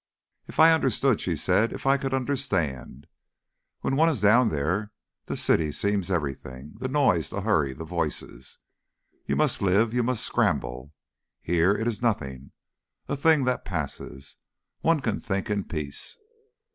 "If I understood," she said, "if I could understand. When one is down there the city seems everything the noise, the hurry, the voices you must live, you must scramble. Here it is nothing; a thing that passes. One can think in peace."